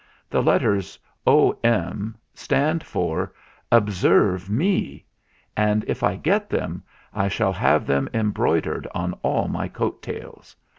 The letters O.M. stand for 'Observe Me !' and if I get them, I shall have them em broidered on all my coat tails.